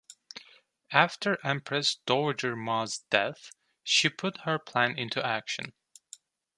After Empress Dowager Ma's death, she put her plan into action.